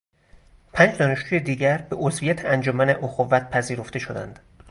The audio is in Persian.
پنج دانشجوی دیگر به عضویت انجمن اخوت پذیرفته شدند.